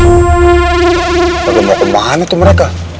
lo mau kemana tuh mereka